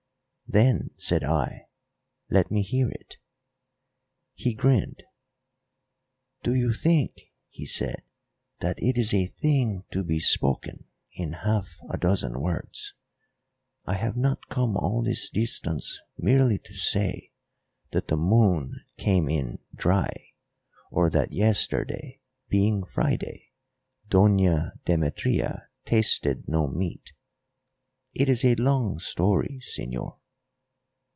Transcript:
"Then," said I, "let me hear it." He grinned. "Do you think," he said, "that it is a thing to be spoken in half a dozen words? I have not come all this distance merely to say that the moon came in dry, or that yesterday, being Friday, Doña Demetria tasted no meat. It is a long story, señor."